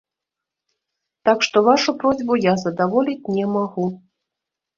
Так што вашу просьбу я задаволіць не магу.